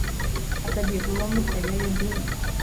А табе была мука, я ведаю.